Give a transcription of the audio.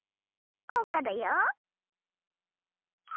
おうかだよ。